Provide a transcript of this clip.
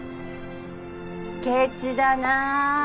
ケチだなぁ。